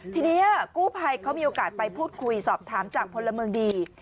ทีนี้กู้ภัยเขามีโอกาสไปพูดคุยสอบถามจากพลเมืองดี